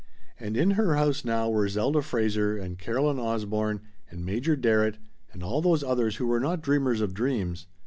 And in her house now were Zelda Fraser and Caroline Osborne and Major Darrett and all those others who were not dreamers of dreams.